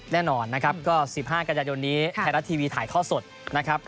แน่นอนนะครับก็๑๕กันยายนนี้ไทยรัฐทีวีถ่ายท่อสดนะครับ